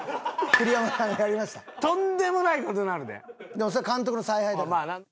でもそれは監督の采配だから。